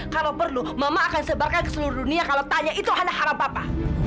kalau perlu mama akan sebarkan ke seluruh dunia kalau tanya itu anak haram papa